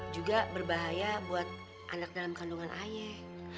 juga berbahaya buat anak dalam kandungan air